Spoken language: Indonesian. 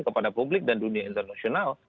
kepada publik dan dunia internasional